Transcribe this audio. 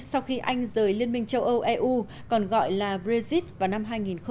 sau khi anh rời liên minh châu âu eu còn gọi là brexit vào năm hai nghìn một mươi